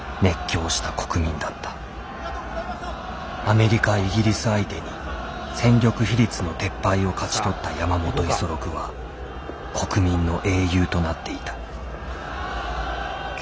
アメリカイギリス相手に戦力比率の撤廃を勝ち取った山本五十六は国民の英雄となっていた万歳！